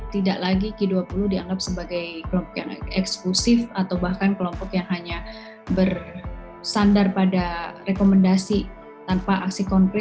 tidak lagi g dua puluh dianggap sebagai kelompok yang eksklusif atau bahkan kelompok yang hanya bersandar pada rekomendasi tanpa aksi konkret